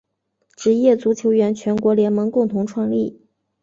职业足球员全国联盟共同创立。